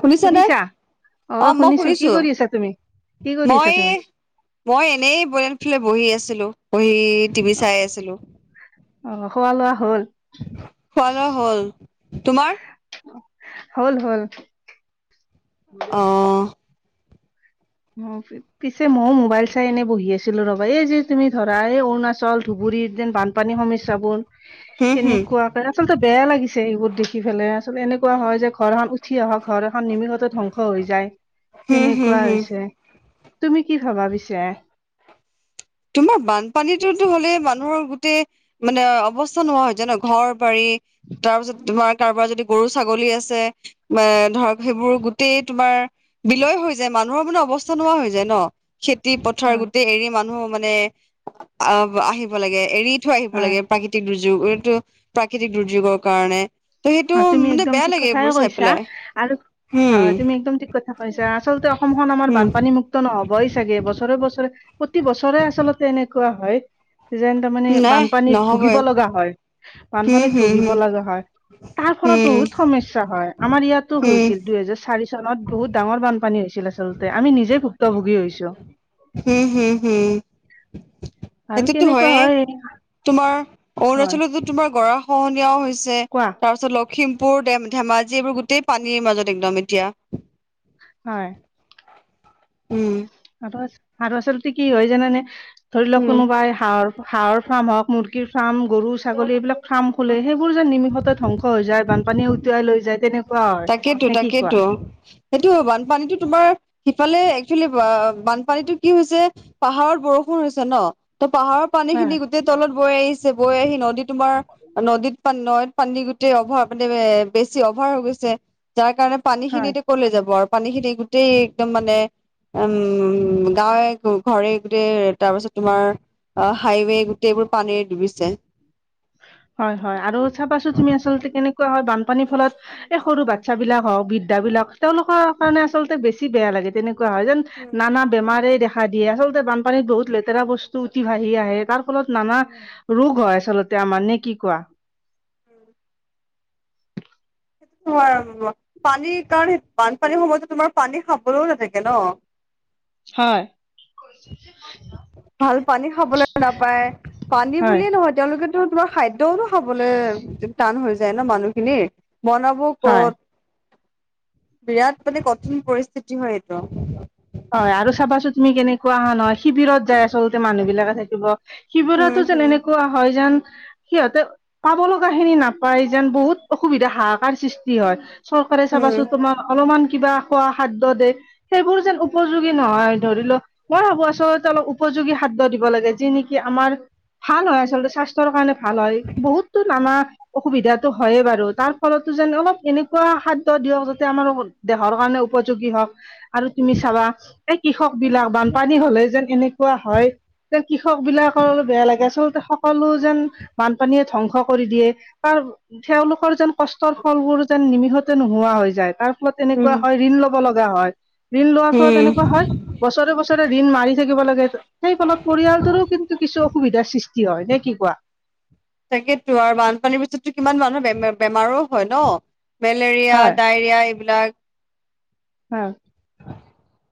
শুনিছনে? শুনিছা অ মই কি শুনিছো। কৰি আছা তুমি কি কৰি আছা মই তুমি মই এনেই [unintelligible] বহি আছিলো। বহি টিভি চাই আছিলো। অ খোৱা লোৱা হ'ল খোৱা দোৱা হ'ল। তোমাৰ? হ'ল হ'ল। অ অ পিছে ময়ো মোবাইল চাই এনে বহি আছিলো ৰবা, এই যে তুমি ধৰা এই অৰুণা ল ধুবুৰত যেন বানপানীৰ সমস্যা বোৰ হম হম তেনেকুৱাক আচলতে বেয়া লাগিছে সবোৰ দেখি। সিফালে লএনেকুৱা হয় যে ঘৰখন উঠি অহক ঘৰ এখন নিমিষতে ধ্বংস হৈ যায় হম হম তেনেকুৱা হম হৈছে। তুমি কি ভাবা পিছা? তোমাৰ বানপানীতোতো হ'লে মানুহৰ গোটেই মানে অৱস্থা নোহোৱা হয় জাই ন ঘৰ বাৰী তাৰ পিছত তোমাৰ কাৰোবাৰ যদি গৰু ছাগলী আছে বা ধৰক সেইবোৰ গোতেই তোমাৰ বিলয় হৈ যায় মানুহৰ মানে অৱস্থা নোহোৱা হৈ যায় ন' খেতি পথাৰ গোটেই এৰি মানুহ মানে আহ-আহিব লাগে, এৰি থৈ আহিব হয় লাগে প্ৰাকৃতিক দুৰ্যোগ, এইটো প্ৰাকৃতিক দুৰ্যোগৰ কাৰণে। ত' সেইটো অ, তুমি মানে একদম বেয়া ঠিক লাগে কথাই এইবোৰ চাই কৈছা পেলাই আৰু হম হয় তুমি একদম ঠিক কথা কৈছা আচলতে অসমখন আমাৰ হম বানপানী মুক্ত নহবই চাগে বছৰে বছৰে প্ৰতি বছৰে আচলতে তেনেকুৱা হয় যেন তাৰমানে নাই বানপানীত ভুগিব নহবই লগা হয়। হম বানপানীত হম ভোগিব হম লগা হয়। তাৰ ফলত হম বহুত সমস্যা হয় আমাৰ ইয়াতো হম হৈছিল দুইহেজাৰ চাৰি চনত বহুত ডাঙৰ বানপানী হৈছিল। ছিল আচলতে আমি নিজে ভুক্তভোগী হৈছো। হম হম হম আৰু সেইটোতো কেনেকুৱা হয়েই হয় তোমাৰ হয় অৰুণাচলতো তোমাৰ গৰা খহনীয়াও হৈছে কোৱা তাৰপিছত লক্ষ্মীমপুৰ ডেম-ধেমাজি এইবোৰ গোটেই পানীৰ মাজত একদম এতিয়া। হয়। উম, আৰু আৰু আচলতে কি হয় জানানে? ধৰি লওক উম কোনোবাই হাঁহৰ হাঁহৰ ফাৰ্ম হওক মুৰ্গী গীৰ ফাৰ্ম, গৰু ছাগলী এইবিলাক ফাৰ্ম খুললে সে বোৰ যেন নিমষতে ধ্বংস হৈ যায়, বানপানীয়ে উটুৱাই লৈ যায় তেনেকা তাকেইেতো, তাকেইেতো সেইটো বানপানীতটো তোমাৰ সিফালে একচেলি বানপানীতো কি হৈছে পাহাৰত বৰষুণ হৈছে ন' ত পাহাৰৰ পানী খিনি হয় গোটেই তলত বৈ আহিছে বৈ আহি নদী তোমাৰ নদীত পানী নৈদত পানী গোটেই অভাৱ মানে এ বেছি অভাৱ ভাৰ হৈ গৈছে, যাৰ কাৰণে পানী খিনি হয় ক--লে যাব আৰু পানী খিনি গোটেই একদম মানে উম, গাঁৱে ঘৰে গোটেই তাৰ পিছত তোমাৰ অ, হাইৱে গোটেই এইবোৰ পানীৰে ডুবিছে। হয়, হয় আৰু চাবাছোন তুমি আচলতে কেনেকুৱা হয় বান পানীৰ ফলত এই সৰু বাচ্ছা বিলাক হওক বিৃদ্যা বিলাক তেওঁলোকৰ কাৰণে আচলতে বেছি বেয়া লাগে তেনেক হয় যেন নানা বেমাৰে দেখা দেখা দিয়ে আচল্ততে বানপানীত বহুত লেতেৰা বস্তু উটি বাঢ়ি আহে তাৰ ফলত নানা ৰোগ হয় আচলতে। ত মানে কি কোৱা? উম, [unintelligible] পানীৰ কাৰণ বানপানীৰ সময়তো তোমাৰ পানী খাবলৈও নাথাকে ন'। হয়, ভাল পানী খাবলৈ নাপায়, পানী হয় বুলিয়ে নহয় তেওঁলোকেত তোমাৰ খাদ্যয়ও নো খাবলৈ টান হৈ যায় ন মানুহখিনিৰ। ব'নাব হয় ক'ত? বিৰাট মানে কঠিন পৰিস্থিতি হয় এইটো। হয় আৰু চাবাচো তুমি কেনেকুৱা হা নহয় শিবিৰত যায় আচলতে মানুহ বিলাকে থাকিব। উম শিৱৰতো যেন হম এনেকুৱা হয় যেন সিহঁতে পাব লগা খিনি নাপায় যেন বহুত অসুবিধা হাহাকাৰ সৃষ্টি হয়। চৰকাৰে উম চাবাচো তোমাৰ অলপমান কিবা খোৱা খাদ্য দে সেইবোৰ যেন উপযোগী নহয়, ধৰি লও মই ভাবো আচলতে অলপ উপযোগী খাদ্যয় দিব লাগে যি নেকি আমাৰ ভাল হয় আচলতে স্বাস্থ্যৰ কাৰণে ভাল হয় বহুতো নামা অসুবিধাতো হয় বাৰু তাৰ ফলত [unintelligible] আমাৰ দেহৰ কাৰণে উপযোগী হক আৰু তি চাবা এই কৃষক বিলাক বানপানী হলে যেন এনেকুৱা হয় কৃষক বিলাকৰ বেয়া লাগে আচলতে সকলো যেন বানপানীয়ে ধ্বংস কৰি দিয়ে কাৰণ তেওঁলোকৰ যেন কষ্টৰ ফলবোৰ যেন নিমিষতে নোহোৱা হৈ যায় তাৰ উম তেনেকুৱা হয় ঋণ ল'ব লগা হয়। উম তেনেকুৱা হয় বছৰে বছৰে ঋণ মাৰি থাকিব লাগে সেই ফলত পৰিয়ালটোৰো কিন্তু কিছু অসুবিধা সৃষ্টি। হয় নে কি কোৱা? তাকেতো আৰু বানপানীৰ পিছতো কিমান মানুহ বেম বেমাৰো হয় ন মেলেৰিয়া ডায়ৰিয়া এইবিলাক। অ'।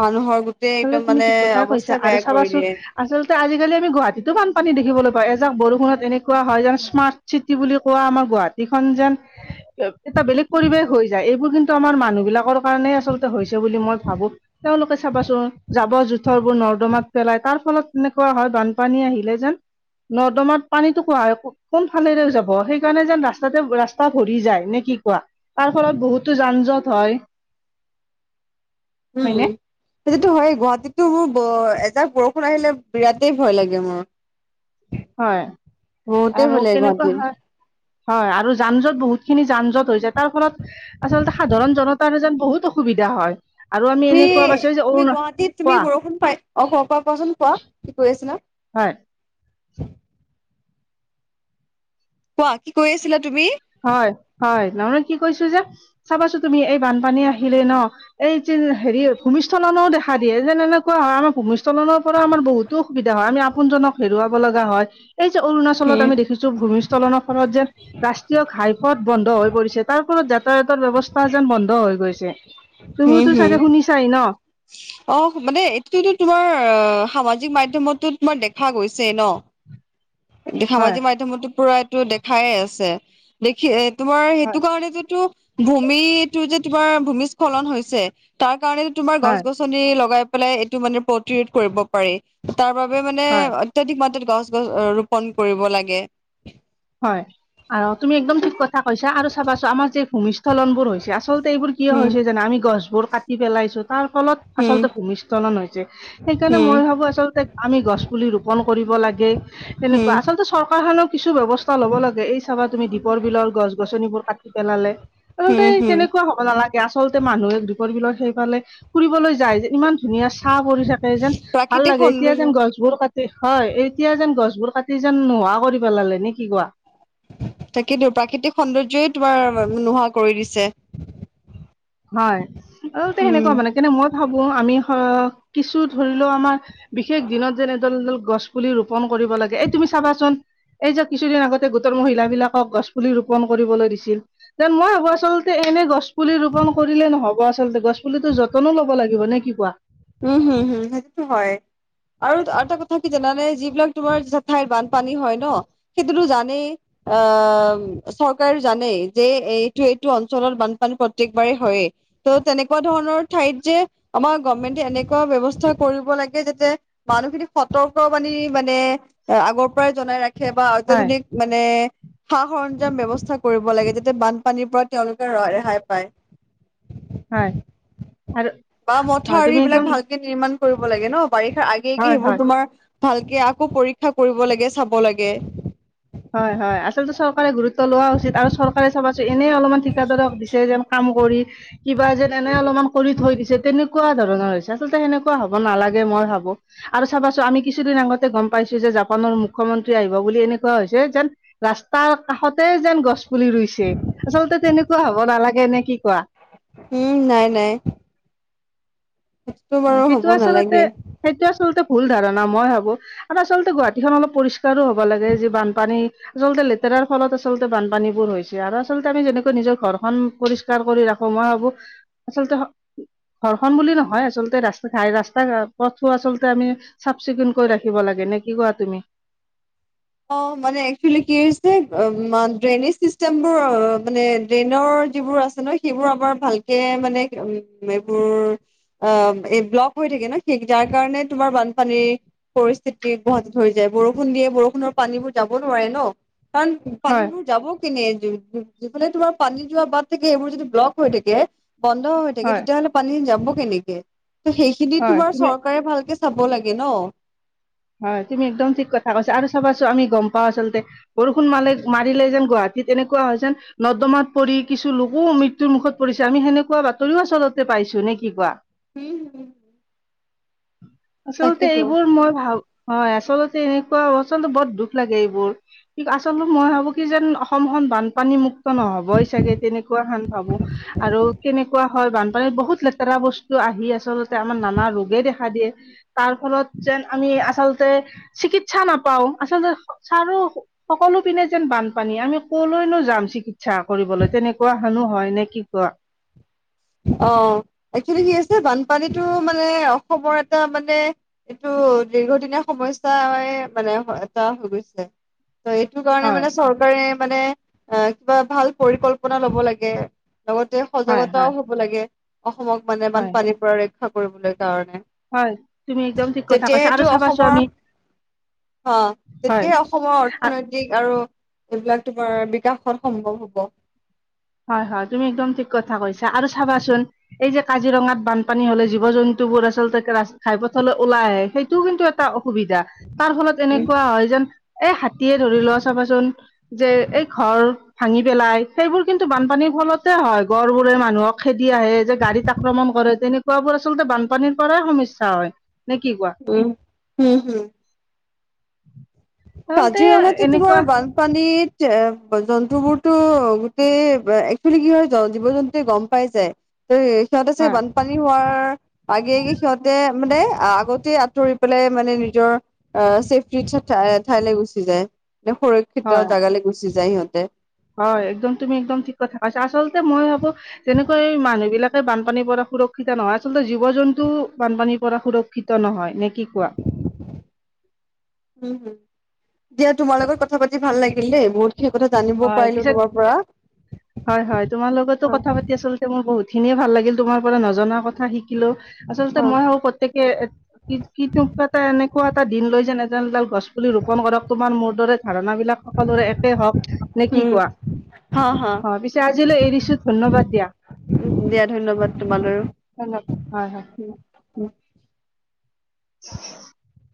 মানুহৰ গোটেই আচলতে একদম তুমি মানে ঠিক কথাই কৈছ অৱস্থা আৰু বেয়া কৰি চাবাচোন দিয়ে আচলতে আজিকালি আমি গুৱাহাটীতো বানপানী দেখিবলৈ পাওঁ এজাক বৰষুণত। তেনেকুৱা হয় যেন স্মাৰ্ট চিটি বুলি কোৱা আমাৰ গুৱাহাটীখন যেন এটা বেলেগ পৰিৱেশ হৈ যায় এইবোৰ কিন্তু আমাৰ মানুহ বিলাকৰ কাৰণে আচলতে হৈছে বুলি মই ভাবো। তেওঁলোকে চাবাচোন। জাবৰ জোথৰ বোৰ নৰ্দমাত পেলাই তাৰ ফলত তেনেকুৱা হয় বানপানী আহিলে যেন। নৰ্দমাত পানীতটো কোহায় কোন ফালেৰে যাব সেইকাৰণে যেন ৰাস্তাতে ৰাস্তা ভৰি যায় নেকি? কি কোৱা তাৰ ফলত বহুতো যান জঁট হয়। উম। হয়নে সেইটোতো হয় গুৱাহাটীততো মোৰ এজাক বৰষুণ আহিলে বিৰাটেই ভয় লাগে মোৰ। হয় বহুতেই আৰু ভয় লাগে কেনেকুৱা গুৱাহাটীত হয়। হয় আৰু যান জঁট বহুত খিনি যান জট হৈছে তাৰ ফলত আচলতে সাধাৰণ জনতা তাৰ যেন বহুত অসুবিধা হয়। আৰু আমি তুমি এনেকুৱা পাইছো যে তুমি অৰুণা গুৱাহাটীত তুমি কোৱা বৰষুণ পাই অ' ক, ক, কোৱাচোন কোৱা কি কৈ আছিলা? হয়। [unintelligible] কোৱা কি কৈ আছিলা তুমি? হয় হয় নহয় কি কৈছো যে চাবাচো তুমি এই বানপানী আহিলে ন এই হেৰি ভূমিস্হখলনো দেখা দিয়ে যেন এনেকুৱা হয় আমাৰ ভূমিস্থখলনৰ পৰা আমাৰ বহুতো সুবিধা হয়। আমি ন জনক হেৰুৱাব লগা হয়। এই যে অৰুণাচলত হুম আমি দেখিছো ভূমিসখলনৰ ফলত যেন ৰাষ্ট্ৰীয় ঘাইপথ বন্ধ হৈ পৰিছে। তাৰফলত যাতায়াতৰ ব্যৱস্থা এ যেন বন্ধ হৈ গৈছে হুম তুমিওতো হুম চাগে শুনিছাই ন? অ মানে এইটোতো তোমাৰ সামাজিক মাধ্যমতো তোমাৰ দেখা গৈছে ন। হয় সামাজিক মাধ্যমতো পুৰা এইটো দেখায়ে আছে দেখি তোমাৰ হয় সেইটো কাৰণ তো ভূমিটো যে তোমাৰ ভূমি স্খলন হৈছে তাৰ সেই কাৰণে তোমাৰ গছ গছনি লগাই পেলাই এইটো মানে প্ৰতিৰোধ কৰিব পাৰি। তাৰ বাবে মানে অত্যাধিক মাত্ৰাত গছ গছ ৰোপন কৰিব লাগে। কৈছ আৰু চাবাচোন আমাৰ যে ভূমিসখলনবোৰ হৈছে আচলতে এইবোৰ কিয় উম হৈছে জানো আমি গছ বোৰ কাটি পেলাইছো। তাৰ ফলত উম আচলতে ভূমিস্খলন হৈছে সেইকাৰণে মই উম, ভাবো আচলতে আমি গছ পুলি ৰোপন কৰিব লাগে হুম, তেনেকুৱা আচলতে চৰকাৰখনৰ কিছু ব্যৱস্থা ল'ব লাগে এই চাবা তুমি দীপৰ বিলৰ গছ গছনিবোৰ কাটি পেলালে। আচলতে হুম, হুম, তেনেকুৱা হ'ব নালাগে আচলতে মানুহে দীপৰ বিলত সেইফালে। ফুৰিবলৈ যায় যেন ইমান ধুনীয়া চাহ পৰি থাকে যেন ভাল প্ৰাকৃতিক লাগে এতিয়া সৌন্দৰ্য। যেন গছবোৰ কাটি হয় এই। তেতিয়া যেন গছবোৰ কাটি যেন নোহোৱা কৰি পেলালে নে কি কোৱা। তাকেতো প্ৰাকৃতিক সৌন্দৰ্যই তোমাৰ নোহোৱা কৰি দিছে। হয় আচলতে সেনেকুৱা উম, হ'ব নালাগে কিন্তু মই ভাবো আমি অ' কিছু ধৰি লও আমাৰ বিশেষ দিনত যেন এডাল এডাল। গছ পুলি ৰোপন কৰিব লাগে এই তুমি চাবাচোন। এই যে কিছুদিন আগতে গোটৰ মহিলাবিলাকক গছপুলি ৰোপণ কৰিবলৈ দিছিল যেন মই ভাবো আচলতে। এনে গছ পুলি ৰোপন কৰিলে নহ'ব আচলতে গছ পুলিতো যতনো ল'ব লাগিব নে কি কোৱা? উম হম হুম সেইটোতো হয়। আৰু এটা কথা কি জানানে যিবিলাক তোমাৰ ঠাইত বানপানী হয় ন সেইটো টো জানেই। আহ চৰকাৰ জানেই যে এইটো এইটো অঞ্চলত বানপানী প্ৰত্যেকবাৰেই হয়। ত' তেনেকুৱা ধৰণৰ ঠাইত যে আমাৰ গভমেন্ট। এনেকুৱা ব্যবস্থা কৰিব লাগে যাতে মানুহখিনিক সতৰ্ক মানি মানে এ আগৰ পৰা জনাই ৰাখে বা হয় অত্যাধুনিক মানে সা সাহয্য ব্যৱস্থা কৰিব লাগে যাতে বানপানীৰ পৰা তেওঁলোকে ৰেহাই পায়। হয় বা আৰু মথাউৰি তুমি বিলাক একদম ভালকে নিৰ্মাণ কৰিব লাগে ন বাৰিষাৰ আগেগে হয় সেইবোৰ হয় তোমাৰ ভালকে আকৌ পৰীক্ষা কৰিব লাগে, চাব লাগে। হয়, হয়, আচলতে চৰকাৰে গুৰুত্ব লোৱা উচিত আৰু চৰকাৰে চাবাচোন এনেই অলপমান ঠিকাদাৰক দিছে যেন কাম কৰি। কিবা যেন এনে অলপমান কৰি থৈ দিছে তেনেকুৱা ধৰণৰ হৈছে, আচলতে সেনেকুৱা হ'ব নালাগে মই ভাবো। আৰু চাবাচোন আমি কিছুদিন আগতে গ'ম পাইছো যে জাপানৰ মুখ্যমন্ত্ৰী আহিব বুলি এনেকুৱা হৈছে যেন ৰাস্তাৰ কাষত যেন গছ পুলি ৰুইছে, আচলতে তেনেকুৱা হ'ব নালাগে নে কি কোৱা। উম, নাই, নাই। সেইটো বাৰু সেইটো হ'ব আচলতে, নালাগে সেইটো আচলতে ভুল ধাৰণা। মই ভাবো আৰু আচলতে গুৱাহাটীখন অলপ পৰিষ্কাৰো হ'ব লাগে যে বানপানী আচলতে লেতেৰাৰ ফলত আচলতে, বানপানী বোৰ হৈছে আৰু আচলতে আমি যেনেকৈ নিজৰ ঘৰখন পৰিষ্কাৰ কৰি ৰাখো মই ভাবো। আচলতে, ঘৰখনন বুলি নহয় আচলতে ৰাস্ত ঘাই ৰাস্তা পথো আচলতে আমি চাফ চিকুণ কৰি ৰাখিব লাগে নে কি কোৱা তুমি। [unintelligible] অ' মানে একচুৱেলি কি হৈছে ড্ৰেইনেজ চিষ্টেমবোৰ মানে ড্ৰেইনৰ যিবোৰ আছে নহয়, সেইবোৰ আমাৰ ভালকে মানে এইবোৰ অ'বলক হৈ থাকে ন সেই যাৰ কাৰণে তোমাৰ বানপানীৰ পৰিস্থিতি গুৱাহাটীত হৈ যায় বৰষুণ দিয়ে, বৰষুণৰ পানীবোৰ যাব নোৱাৰে ন কাৰণ হয় পানীবোৰ যাব কিনে। যিফালে তোমাৰ পানী যোৱা বাট থাকে এইবোৰ যদি ব্লক হৈ থাকে। বন্ধ হৈ থাকে, হয় তেতিয়া হ'লে পানী যাব কেনেকে ত সেইখিনি হয় তোমাৰ তুমি চৰকাৰে ভালকে চাব লাগে ন। হয়, তুমি একদম ঠিক কথা কৈছা আৰু চাবাচোন আমি গ'ম পাওঁ। আচলতে বৰষুণ মালে মাৰিলে যেন গুৱাহাটী তেনেকুৱা হয় যেন নৰ্দমাত পৰি কিছু লোকো মৃত্যুৰ মুখত পৰিছে, আমি সেনেকুৱা বাতৰিও আচলতে পাইছো নে কি কোৱা? উম, উম। আচলতে তাকেতো এইবোৰ মই ভাবো হয়, আচলতে এনেকুৱাচ বৰ দুখ লাগে এইবোৰ। কি আচলতে মই ভাবো কি যেন অসমখন বান পানী মুক্ত নহবই চাগে তেনেকুৱা হেন ভাবোঁ আৰু কেনেকুৱা হয়, বানপানীত বহুত লেতেৰা বস্তু আহি আচলতে আমাৰ নানা ৰোগে দেখা দিয়ে তাৰ ফলত যেন আমি আচ আচলতে চিকিৎসা নাপাওঁ, আচলতে চাৰিও সকলো পিনে যেন বানপানী আমি কলৈনো যাম চিকিৎসা কৰিবলৈ তেনেকুৱা হেনো হয় নে কি কোৱা? অ' একচুৱেলি কি হৈছে বানপানীতটো মানে অসমৰ এটা মানে এইটো টো দীৰ্ঘদিনীয়া সমস্যা মানে এটা হৈ গৈছে। এইটো কাৰণে হয় মানে চৰকাৰে মানে অ' কিবা ভাল পৰিকল্পনা ল'ব লাগে, লগতে হয় সজাগতাও হয় হ'ব লাগে। অসমক মানে হয় বানপানীৰ পৰা ৰক্ষা কৰিবলৈ। হয় তুমি একদম ঠিক কথা কৈছা আৰু তেতিয়াহেটো চাবাচো আমি অসমৰ অ' হয় তেতিয়াই অসমৰ অৰ্থনৈতিক আৰু এইবিলাক তোমাৰ বিকাশত সম্ভৱ হ'ব। হয়, হয়, তুমি একদম ঠিক কথা কৈছা আৰু চাবাচোন এই যে কাজিৰঙাত বানপানী হ'লে জীৱ-জন্তুবোৰ আচলতে ঘাইপথলৈ ওলাই আহে, সেইটোও কিন্তু এটা অসুবিধা তাৰ ফলত এনেকুৱা হয় যেন এই হাতীয়ে ধৰি লোৱা চাবাচোন যে এই ঘৰ ভাঙি পেলাই সেইবোৰ কিন্তু বানপানীৰ ফলতে হয় গড় বোৰে মানুহক খেদি আহে, যে গাড়ীত আক্ৰমণ কৰে তেনেকুৱাবোৰ আচলতে বানপানীৰ পৰাই সমস্যা হয়। নে কি কোৱা উম, হম হম। [unintelligible] আচলতে কাজিৰঙা তোমাৰ এনেকুৱা বানপানীত এ জন্তুবোৰতো গোটেই একচুৱেলি কি হয় জীৱ- জন্তুয়ে গম পাই যায়। সিহঁতে চাগে হয় বানপানী হোৱাৰ আগে আগে সিহঁতে মানে আগতে আঁতৰি পেলাই মানে নিজৰ ছেফটিৰ ঠাইলৈ গুচি যায়। সুৰক্ষিত হয় জেগালৈ গুচি যায় সিহঁতে। হয় একদম তুমি একদম ঠিক কথা কৈছা, আচলতে মই ভাবো যেনেকুৱা মানুহ বিলাকে বানপানী পৰা সুৰক্ষিত‌ নহয়, আচলতে জীৱ-জন্তু বানপানীৰ পৰা সুৰক্ষিত নহয়, নে কি কোৱা? উম হম দিয়া তোমাৰ লগত কথা পাতি ভাল লাগিল দেই বহুত খিনি কথা জানিব হয় পাৰিলো পিছত, তোমাৰ পৰা হয় হয় তোমাৰ লগতো উম কথা পাতি আচলতে মোৰ বহুত খিনিয়ে ভাল লাগিল তোমাৰ পৰা নজনা কথা শিকিলোঁ। আচলতে মই ভাবো প্ৰত্যেকে [unintelligible] এনেকুৱা এটা দিন লৈ যেন এজন এডাল গছ পুলি ৰোপন কৰক তোমাৰ মোৰ দৰে ধাৰণাাবিলাক সকলোৰে একেই হওঁক নে কি কোৱা? হা হা অ', পিছে আজিলৈ এৰিছো ধন্যবাদ দিয়া। ধ্যবাদ তোমালৈ ধন্যবাদ, হয়, হয়। [inaudible] [inaudible]